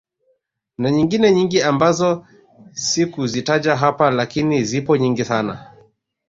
Na nyingine nyingi ambazo sikuzitaja hapa lakini zipo nyingi sana